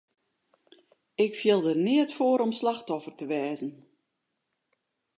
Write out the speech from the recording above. Ik fiel der neat foar om slachtoffer te wêze.